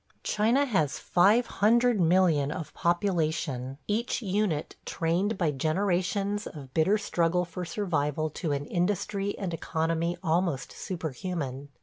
China has 500,000,000 of population, each unit trained by generations of bitter struggle for survival to an industry and economy almost superhuman.